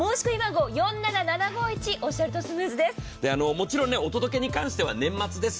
もちろんお届けに関しては年末です。